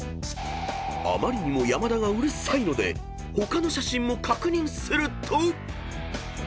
［あまりにも山田がうるさいので他の写真も確認すると］